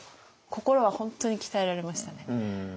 心は本当に鍛えられましたね。